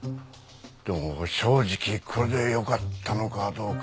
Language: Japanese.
でも正直これでよかったのかどうか。